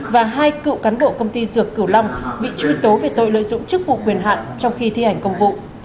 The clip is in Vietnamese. và hai cựu cán bộ công ty dược cửu long bị truy tố về tội lợi dụng chức vụ quyền hạn trong khi thi hành công vụ